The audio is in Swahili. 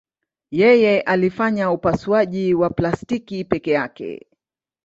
Yeye alifanya upasuaji wa plastiki peke yake.